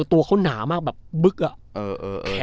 ตัวเขาหนามากแบบบึ๊กอะ